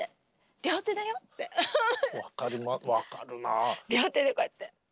両手でこうやって。